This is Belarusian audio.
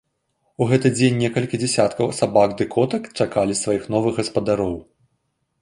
У гэты дзень некалькі дзясяткаў сабак ды котак чакалі сваіх новых гаспадароў.